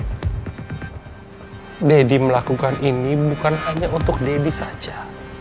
aku mau berhenti melakukan ini bukan hanya untuk dedy saja